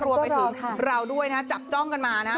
รวมไปถึงเราด้วยนะจับจ้องกันมานะฮะ